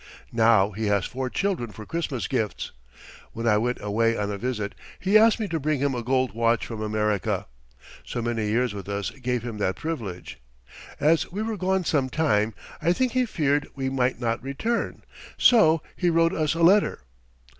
Now he has four children for Christmas gifts. When I went away on a visit, he asked me to bring him a gold watch from America. So many years with us gave him that privilege. As we were gone some time I think he feared we might not return, so he wrote us a letter."